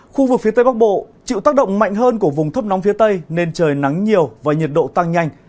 khu vực phía tây bắc bộ chịu tác động mạnh hơn của vùng thấp nóng phía tây nên trời nắng nhiều và nhiệt độ tăng nhanh